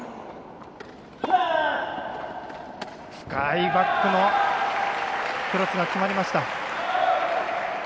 深いバックのクロスが決まりました。